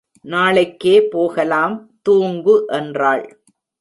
நாளைக்கே போகலாம் தூங்கு என்றாள்.